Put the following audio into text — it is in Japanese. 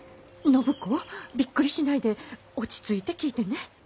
暢子びっくりしないで落ち着いて聞いてね。